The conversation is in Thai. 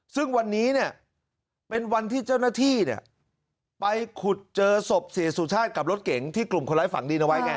ซึ่งวันนี้เนี่ยเป็นวันที่เจ้าหน้าที่ไปขุดเจอศพเสียสุชาติกับรถเก๋งที่กลุ่มคนร้ายฝังดินเอาไว้ไง